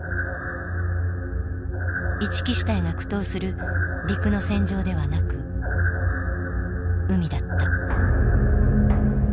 一木支隊が苦闘する陸の戦場ではなく海だった。